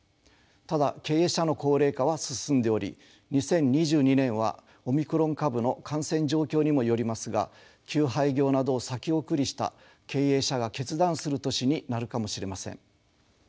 ただ経営者の高齢化は進んでおり２０２２年はオミクロン株の感染状況にもよりますが休廃業などを先送りした経営者が決断する年になるかもしれません。